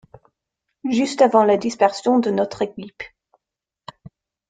Juste avant la dispersion de notre équipe.